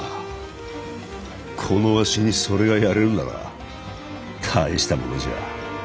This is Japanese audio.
このわしにそれがやれるなら大したものじゃ。